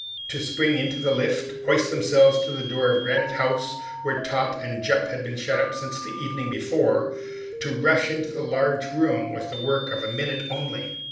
To spring into the lift, hoist themselves up to the door of Granite House, where Top and Jup had been shut up since the evening before, to rush into the large room, was the work of a minute only.